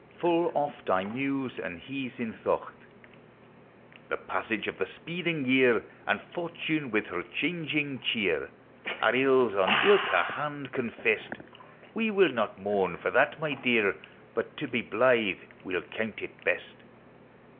Full oft I muse and hes in thocht. The passage of the speeding year, And Fortune with her changing cheer, Are ills on ilka hand confest ; We will not mourn for that, my dear, But to be blythe we '11 count it best.